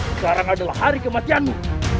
sekarang adalah hari kematianmu